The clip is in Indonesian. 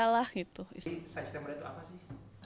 jadi saya cita cita apa sih